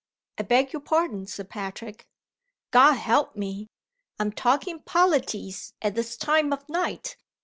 "I beg your pardon, Sir Patrick " "God help me! I'm talking polities at this time of night!